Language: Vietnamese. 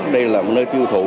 đây là một nơi tiêu thụ